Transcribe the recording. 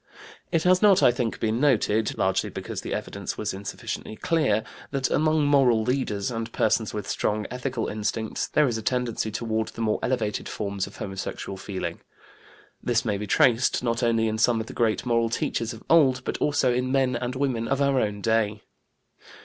It has not, I think, been noted largely because the evidence was insufficiently clear that among moral leaders, and persons with strong ethical instincts, there is a tendency toward the more elevated forms of homosexual feeling. This may be traced, not only in some of the great moral teachers of old, but also in men and women of our own day.